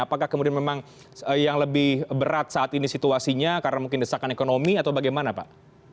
apakah kemudian memang yang lebih berat saat ini situasinya karena mungkin desakan ekonomi atau bagaimana pak